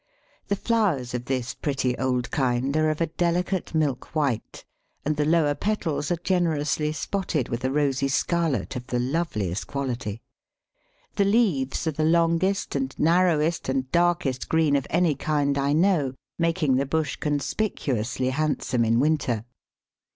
The flowers of this pretty old kind are of a delicate milk white, and the lower petals are generously spotted with a rosy scarlet of the loveliest quality. The leaves are the longest and narrowest and darkest green of any kind I know, making the bush conspicuously handsome in winter.